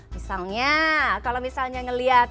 misalnya kalau misalnya ngelihat